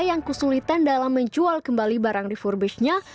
yang kesulitan dalam menjual kembali barang refurbishednya